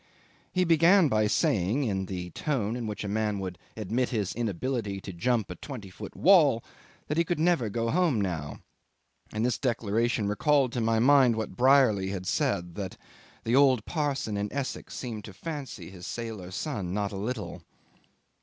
He began by saying, in the tone in which a man would admit his inability to jump a twenty foot wall, that he could never go home now; and this declaration recalled to my mind what Brierly had said, "that the old parson in Essex seemed to fancy his sailor son not a little."